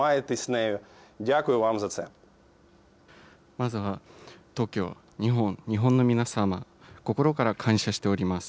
まずは東京、日本、日本の皆様、心から感謝しております。